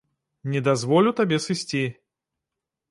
Не дазволю табе сысці.